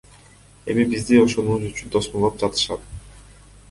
Эми бизди ошонубуз үчүн тосмолоп жатышат.